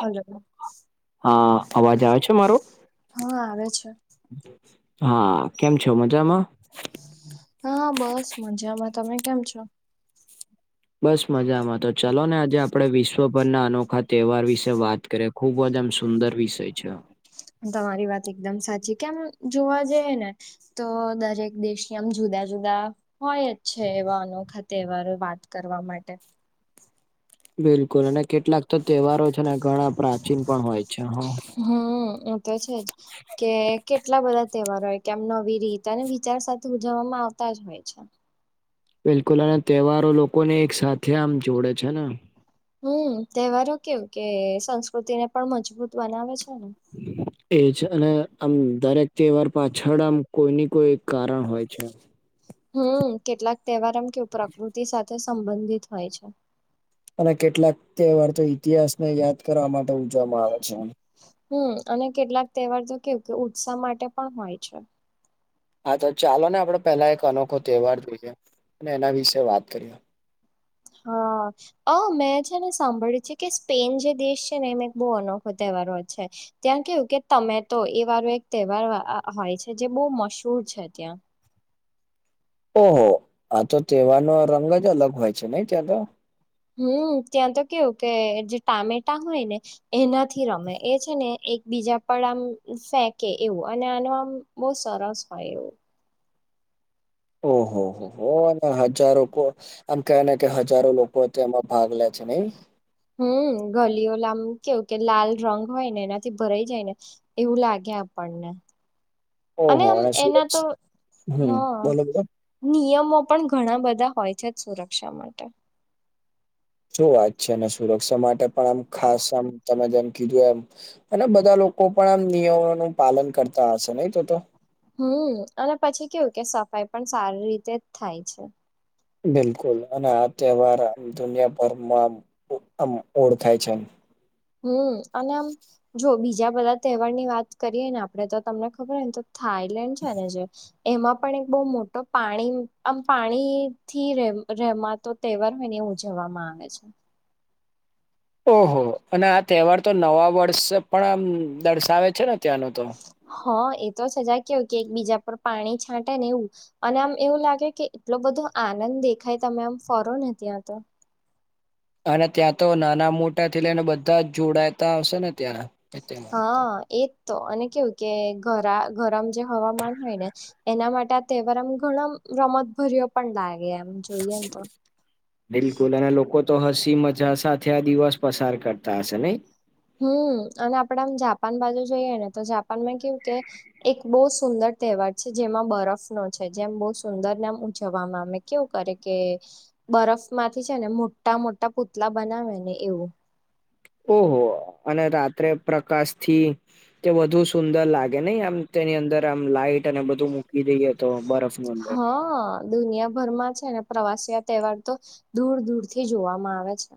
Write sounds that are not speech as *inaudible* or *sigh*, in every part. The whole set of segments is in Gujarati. હલો. હા અવાજ આવે છે મારો. હા આવે છે હા કેમ છો મજામાં હા બસ મજામાં તમે કેમ છો બસ મજામાં તો ચાલો ને આજે આપડે વિશ્વભરના અનોખા તહેવાર વિશે વાત કરીએ ખુબ જ આમ સુંદર વિષય છે તમારી વાત એકદમ સાચી કેમ જોવા જઈ એ ને તો દરેક દેશની આમ જુદા જુદા હોય છે એવા અનોખા તહેવાર વાત કરવા માટે બિલકુલ અને કેટલાક તો તહેવારો છે ને ઘણા પ્રાચીન પણ હોય છે હમ્મ એ તો છે જ કે કેટલા બધા તહેવારો હોય કે આમ નવી રીત અને વિચાર સાથે ઉજવવામાં આવતા આવે છે બિલકુલ અને તહેવારો લોકોને એક સાથે આમ જોડે છે ને હમ્મ તહેવારો કેવ કે સંસ્કૃતિ ને પણ મજબૂત બનાવે છે ને હમ્મ એ છે અને આમ દરેક તહેવાર પાછળ આમ કોઈ ની કોઈ કારણ હોય છે હમ્મ કેટલાક તહેવાર એમ કેવું પ્રકૃતિ સાથે સંબંધિત હોય છે અને કેટલાક તહેવાર તો ઇતિહાસ ને યાદ કરવા માટે ઉજવામાં આવે છે હમ્મ અને કેટલાક તહેવાર તો કેવું કે ઉત્સાહ માટે પણ હોય છે હા તો ચાલો ને આપડે પેલા એક અનોખો તહેવાર જોઈએ અને એના વિશે વાત કરીએ હા અ મેં છે ને સાંભળ્યું છે કે સ્પેન જે દેશ છે ને એમાં એક બહુ અનોખો તહેવારો છે ત્યાં કેવું કે તમે તો એ વારો એક તહેવાર હોય છે જે બહુ મશૂર છે ત્યાં ઓહો આ તો તેહેવારનો રંગ જ અલગ હોય છે નહી ત્યાં તો હમ્મ ત્યાં તો કેવું કે જે ટામેટા હોય ને એનાથી રમે એ છે ને એક બીજા પણ આમ ફેંકે એવું અને આનું આમ બહ સરસ હોય એવું ઓહો હો હો અને હજારો આમ કેવા ને કે હજારો લોકો તે એમાં ભાગ લે છે નઈ હમ ગલીઓ લમ કેવું કે લાલ રંગ હોય ને એનાથી ભરાઈ જાય ને. એવું લાગે આપણને. અને ઓહો આમ એના સુરત તો હમ હા. બોલો બોલો નિયમો પણ ઘણા બધા હોય છે જ સુરક્ષા માટે. શું વાત છે અનેને સુરક્ષા માટે પણ આમ ખાસ આમ તમે જેમ કીધું એમ. અને બધા લોકો પણ આમ નિયમોનું પાલન કરતા હશે નહી તો તો? હમ અને પછી કેવું કે સફાઈ પણ સારી રીતે જ થાય છે. બિલકુલ અને આ તહેવાર આ દુનિયાભરમાં આમ ઓળખાય છે. હમ અને આમ, જો બીજા બધા તહેવાર ની વાત કરીએ ને આપડે તો તમને ખબર હોને તો થાઈલેન્ડ છે ને જે. એમાં પણ એક બહુ મોટો પાણી આમ પાણી થી ર રેમાતો તહેવાર મને ઉજવવામાં આવે છે. ઓહો અને આ તહેવાર તો નવા વર્ષ પણ દર્શાવે છે ને ત્યાંનો તો. હ એ તો સજા કેય કે એક બીજા પર પાણી છાંટે ને એવું. અને આમ એવું લાગે કે એટલો બધો આનંદ દેખાય તમે આમ ફરો ને ત્યાં તો. અને ત્યાં તો નાના મોટા થી લઈને બધા જ જોડાાયતા આવશે ને ત્યાં? એ તહેવારમાં તો. હા એજ તો અને કેવું કે ગરમ જે હવામાન હોય ને. એના માટે આ તહેવારમ ઘણા રમતભર્યો પણ લાગે એમ. જોઈએ ને તો બિલકુલ અને લોકો તો હસી મજા સાથે આ દિવસ પસાર કરતા હશે નને? હમ અને આપડે આમ જાપાન બાજુ જોઈએ ને તો જાપાન માં કેવું કે. એક બહ સુંદર તહેવાર છે, જેમાં બરફ નો છ. જેમ બહુ સુંદરને એમ ઉજવવામાં આવે કેવું કરે કે બરફ માંથી છે. ને મોટા મોટા પુતલા બનાવે ને એવું, ઓહો અને રાત્રે પ્રકાશ થી તે વધુ સુંદર લાગે નહ આમ તેની અંદર આમ લાઈટ અને બધું મૂકી દઈએ? તો બરફની અંદર. હાઆઆ દુનિયાભરમાં છે, ને પ્રવાસી તહેવાર તો દૂર દૂરથી જોવામાં આવે છે.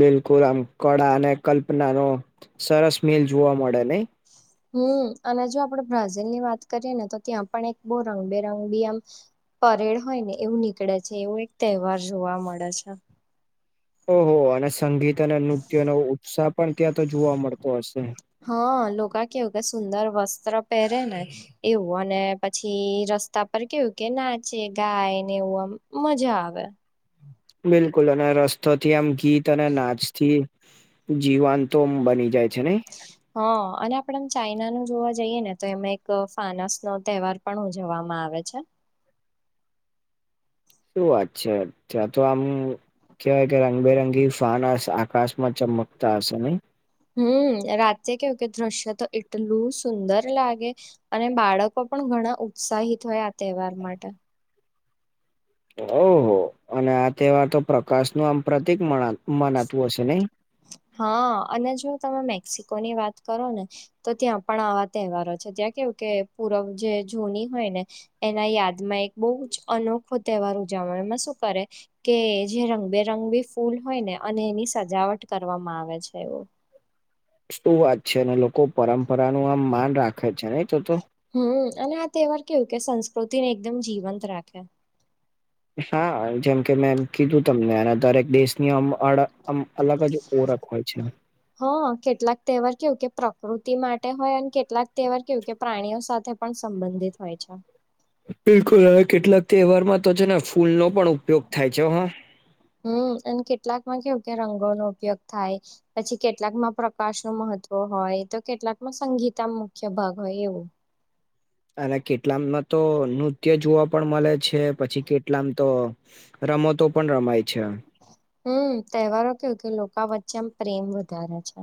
બિલકુલ આમ કળા અને કલ્પના ન સરસ મિલ જોવા મળે નહી,? હમ અને જો આપણેે બ્રાઝિલ ની વાત કરીએ ને તો, ત્યાં પણ એક બહ રંગબેરંગ બી આમ પરેડ હોય ને એવું નીકળે છે, એવો એક તહેવાર જોવા મળે છે. ઓહ અને સંગીત અને નૃત્ય ન ઉત્સાહ પણ ત્યાં તો જોવા મળતો હશે,? હા લોકો કે વું કે સુંદર વસ્ત્ર પહેરે ને એવું અને પછી રસ્તા પર કેવું કે, નાચે ગાય ને એવું આમ મજા આવે, બિલકુલ અને રસ્તો થી આમ ગીત અને નાચથી જીવાંત તો બની જાય છે ને? હા અને આપણે ચાઈના નું જોવા જઈએ ને તો એમાં એક ફાનસ નો તહેવાર, પણ ઉજવવામાં આવે છે. શું વાત છે, ત્યાં તો આમ કવાય કે રંગબેરંગી ફાન આકાશ માં ચમકતા હશે નહી,? હમ રાતે કેવું કે દ્રશ્ય તો એટલું સુંદર લાગે અને બાળકો પણ ઘણા ઉત્સાહિત હોય આ તહેવાર માટે ઓહ અને આ તહેવાર તો પ્રકાશ નું આમ પ્રતિક મનાતું હશે નહી.? હા અને જો તમે મેક્સિકો ની વાત કરો ને,? તો ત્યાં પણ આવા તહેવારો છે. ત્યાં કેવું કે પૂરવ જે જૂની હોય ને એના યાદમાં એક બહુ જ અનોખો તહેવાર ઉજવણી એમાં શું કરે કે જે રંગબેરંગ બી ફૂલ હોય ને અને એની સજાવટ કરવામાં આવે છે એમ. શું વાત છે,? અનેને લોકો પરંપરા નું આમ માન રાખે છે નહી તો તો હમ અને આ તહેવાર કેવું કે સંસ્કૃતિ ને એકદમ જીવંત રાખે. હા જેમકે મેં એમ કીધું તમને દરેક દેશની, અમ અમાડા આમ અલગ જ ઓરખ હોય છે. હ કેટલાક તહેવાર કેવું કે પ્રકૃતિ માટે હોય, અને કેટલાક તહેવાર કેવું કે પ્રાણીઓ સાથે પણ સંબંધિત હોય છે. બિલકુલ હ કેટલાક તહેવારમાં તો છે, ને ફૂલનો પણ ઉપયોગ થાય છે હ હમ્મ અને કેટલાક માં કેવું કે રંગો નો ઉપયોગ થાય પછી કેટલાકમાં પ્રકાશ નું મહત્વ હોય, તો કેટલાકમાં સંગીતામાં મુખ્ય ભાગ હોય એવું, અને કેટલામમાં તો નૃત્ય જોવા પણ મળે છે. પછી કેટલામ તો રમતો પણ રમાય છે. હમ તહેવારો કેવું કે, લોકો વચ્ચેમ પ્રેમ વધારે છે.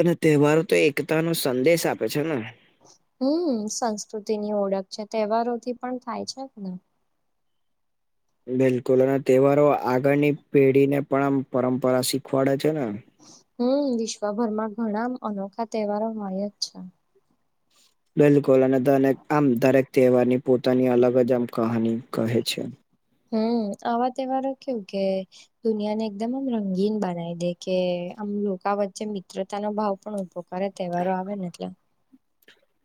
અને તહેવારો તો એકતા નો સંદેશ આપે છે ને હમ સંસ્કૃતિ ની ઓળખ છે. તહેવારોથી પણ થાય છે, જ ને બિલકુલ અને તહેવારો આગળની પેઢી ને પણ આમ પરંપરા શીખવાડે છે ને. હમ વિશ્વભરમાં ઘણા અનોખા તહેવારોમાં જ છે. બિલકુલ અને દરેક આમ દરેક તહેવારની પોતાની અલગ જ આમ કહાની કહે છે. હમ્મ આવા તેવારો કેવું કે દુનિયાને એકદમ આમ રંગીન બનાવી દે કે આમ લોકા વચ્ચે મિત્રતાનો ભાવ પણ ઉભો અરે તહેવારો આવે ને એટલે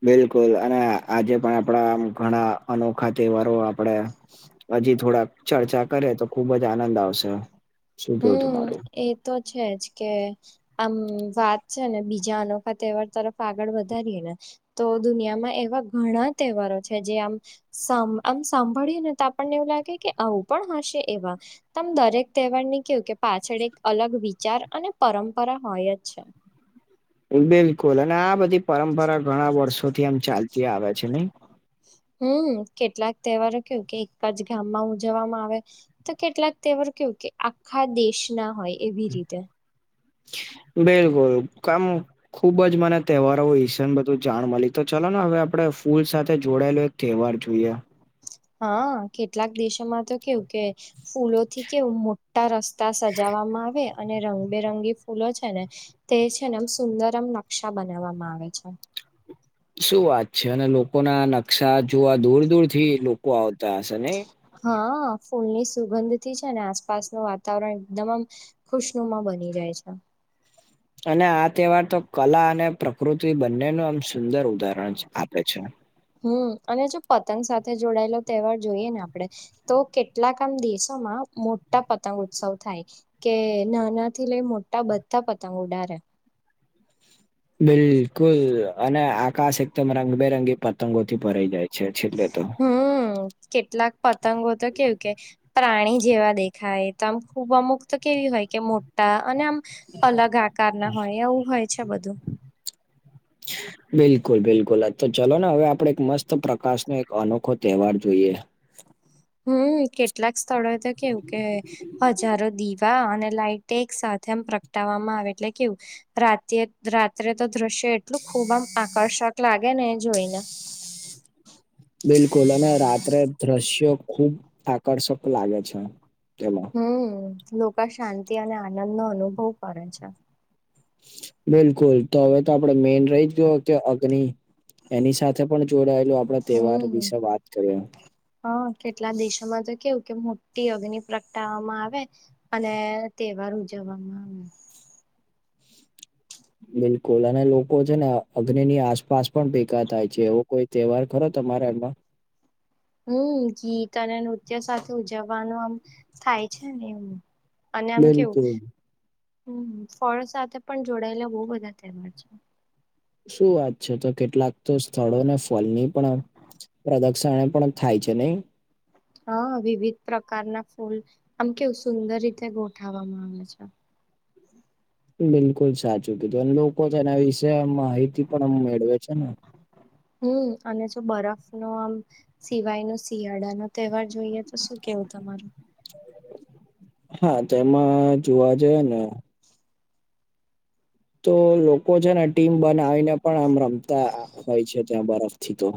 બિલકુલ અને આજે પણ આપણા ઘણા અનોખા તહેવારો આપડે હજી થોડાક ચર્ચા કરે તો ખુબ જ આનંદ આવશે શું કેવું હમ તમારું એ તો છે જ કે આમ વાત છે, ને બીજા અનોખા તહેવાર તરફ આગળ વધારીએને તો દુનિયામાં એવા ઘણા તહેવારો છે, જે આમ સમ આમ સાંભળીએ ને તો આપણને એવું લાગે કે આવું પણ હશે એવા. તમ દરેક તહેવારની કેવું કે પાછળ એક અલગ વિચાર અને પરંપરા હોય જ છે. બિલકુલ અને આ બધી પરંપરા ઘણા વર્ષોથી આમ ચાલતી આવે છે નહી. હમ્મ કેટલાક તહેવારો કેવુ કે એક જ ગામમાં ઉજવવામાં આવે. તો કેટલાક તેહેવાર કેવું કે આખા દેશ ના હોય એવી રીતે. બિલકુલ, કામ ખુબ જ મને તહેવારો હઈસણ બધું જાણ મળી તો ચલો ને હવે આપડે ફૂલ સાથે જોડાયેલું એક તહેવાર જોઈયા. હા કેટલાક દેશોમાં તો કેવું કે ફૂલોથી કેવું મોટા રસ્તા સજાવામાં આવે. અને રંગબેરંગી ફૂલો છે ને, તે છે ને આમ સુંદર આમ નકશા બનાવવામાં આવે છે. શું વાત છે અને લોકોના નકશા જોવા દૂર દૂર થી લોકો આવતા હશે ને? હા ફૂલની સુગંધથી છે ને આસપાસનું વાતાવરણ એકદમ મ જ ખુશનુમા બની જાય છે. અને આ તહેવાર તો કલા અને પ્રકૃતિ બંનેનું આમ સુંદર ઉદાહરણ છે આપે છે. હમ્મ અને જો પતંગ સાથે જોડાયેલો તહેવાર જોઈએ ને આપડે. તો કેટલાક આમ દેશોમાં મોટા પતંગ ઉત્સવ થાય. કે નાના થી લઈ મોટા બધા પતંગ ઉડારેે. બિલકુલ અને આકાશ એકદમ રંગબેરંગી પતંગો થી ભરાઈ જાય છે છેલ્લે તો. હમ્મ કેટલાક પતંગો તો કેવું કે, પ્રાણી જેવા દેખાય. તો આમ ખૂબ અમુક તો કેવી હોય કે મોટા અને આમ અલગ આકાર ના હોય એવું હોય છે બધું. *inaudible* બિલકુલ બિલકુલ તો ચલો ને હવે આપડે એક મસ્ત પ્રકાશનો એક અનોખો તહેવાર જોઈએ. હમ્મ કેટલાક સ્થળોએ તો કેવું કે, હજારો દીપ વા અને લાઈટ એક સાથે એમ પ્રગટાવવામાં આવે એટલે કેવું. રાતે રાત્રે તો દ્રશ્ય એટલું ખૂબ આમ આકર્ષક લાગે ને એ જોઈને. બિલકુલ અને રાત્રે દ્રશ્યો ખુબ આકર્ષક લાગે છે. કેલો. હમ્મ લોકો શાંતિ અને આનંદ નો અનુભવ કરે છે. બિલકુલ તો હવે તો આપડે મેન રહી જ ગયો કે અગ્નિ, એની સાથે પણ જોડાયેલું આ આપણા તહેવાર હમ વિશે વાત કરીએ. હા કેટલા દેશોમાં તો કેવું કે મોટી અગ્નિ પ્રગટાવામાં આવે. અને તહેવાર ઉજવવામાં આવે. બિલકુલ અને લોકો છે ને અગ્નિ ની આસપાસ પણ ભેગા થાય છે એવો કોઈ તહેવાર ખરો તમારા એમાં? હમ્મ ગીત અને નૃત્ય સાથે ઉજવવાનું આમ, થાય છે ને એમ. અને આમ કેવું, બિલકુલ ફળ સાથે પણ જોડાયેલા બહું બધા તહેવાર છે. શું વાત છે તો કેટલાક તો સ્થળોને ફલની પણ પ્રદશણ એ પણ થાય છે નહી. હા વિવિધ પ્રકારના ફૂલ, આમ કેવું સુંદર રીતે ગોઠવવામાં આવે છે. બિલકુલ સાચું કીધું અને લોકો તો એના વિશે માહિતી પણ મેળવે છે ને. હમ્મ અને જો બરફ નો આમ સિવાય ન શિયાળા નો તહેવાર જોઈએ તો શું કેવું તમારું? હા તેમાં જોવા જઈએ ને તો લોકો છે ને ટીમ બનાવીને પણ આમ રમતા હોય છે ત્યાં બરફથી તો.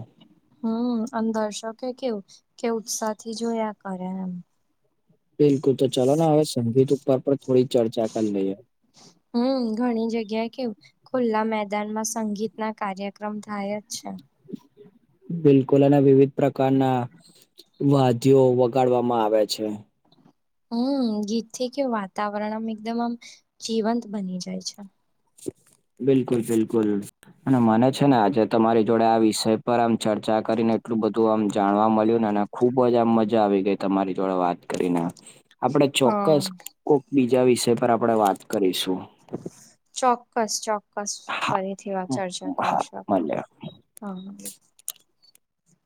હમ્મ અન દર્શકે કેવું કે, ઉત્સાહ થી જોયા કરે એમ. બિલકુલ તો ચાલો ને હવે સંગીત ઉપર પણ થોડી ચર્ચા કરી લઈએ. હમ્મ ઘણી જગ્યા કેવું ખુલ્લા મેદાનમાં સંગીત ના કાર્યક્રમ થાય જ છે. બિલકુલ અને વિવિધ પ્રકારના વાદ્યોવગાડવામાં આવે છે. હ ગીત થી કે વાતાવરણ આમ એકદમ આમ, જીવંત બની જાય છે. બિલકુલ બિલકુલ. અને મને છે ને આજે તમારી જોડે આ વિષય પર આમ ચર્ચા કરીને એટલું બધું આમ જાણવા મળ્યું ને. ખુબ જ આમ મજા આવી ગઈ તમારી જોડે વાત કઈ ના, આપણેે હા ચોક્કસ કોક બીજા વિષય પર આપણેે વાત કરીશું. ચોક્કસ ચોક્કસ હા ફરીથી ચર્ચા હા કરીશું આપણે, મળે હા.